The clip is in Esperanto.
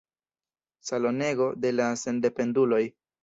Salonego de la sendependuloj.